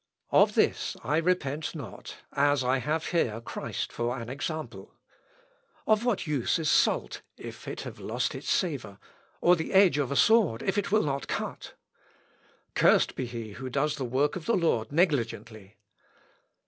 Of this I repent not, as I have here Christ for an example. Of what use is salt if it have lost its savour, or the edge of a sword if it will not cut? Cursed be he who does the work of the Lord negligently.